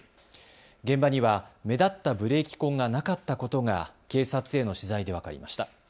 現場には目立ったブレーキ痕がなかったことが警察への取材で分かりました。